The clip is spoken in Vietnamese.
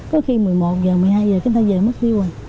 có khi một mươi một giờ một mươi hai giờ người ta về mất thiêu rồi